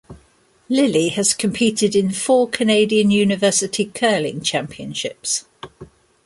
Lilly has competed in four Canadian University Curling Championships.